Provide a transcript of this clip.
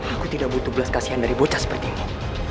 aku tidak butuh belas kasihan dari bocah sepertimu